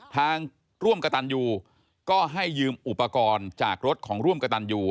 ทางร่วมกระตันยูก็ให้ยืมอุปกรณ์จากรถของร่วมกระตันยู